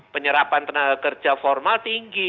penyerapan tenaga kerja formal tinggi